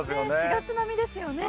４月並みですよね。